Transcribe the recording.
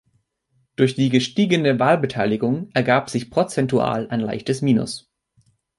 Durch die gestiegene Wahlbeteiligung ergab sich prozentual ein leichtes Minus.